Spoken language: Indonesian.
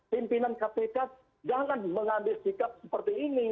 pimpinan kpk jangan mengambil sikap seperti ini